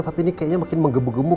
tapi ini kayaknya makin menggembu gembu